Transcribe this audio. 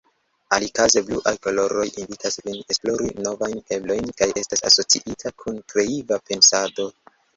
Alikaze, bluaj koloroj invitas vin esplori novajn eblojn kaj estas asociita kun kreiva pensado.